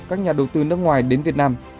các nhà đầu tư nước ngoài đến việt nam